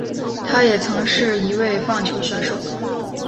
他也曾经是一位棒球选手。